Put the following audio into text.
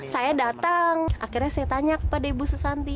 saya datang akhirnya saya tanya kepada ibu susanti